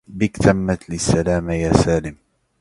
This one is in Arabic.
بك تمت لي السلامة يا سالم